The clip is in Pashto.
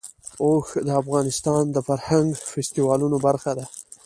اوښ د افغانستان د فرهنګي فستیوالونو برخه ده.